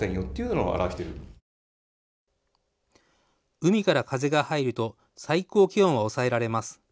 海から風が入ると最高気温は抑えられます。